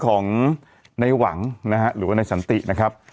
ของนายหวังหรือว่านายฉันตินะครับ